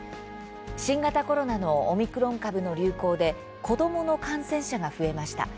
新型コロナのオミクロン株の流行で子どもの感染者が増えました。